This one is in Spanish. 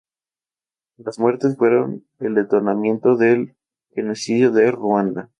Las muertes fueron el detonante del genocidio de Ruanda.